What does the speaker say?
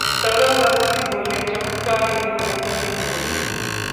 सौरव गांगुली बोले, चमत्कारी हैं महेंद्र सिंह धोनी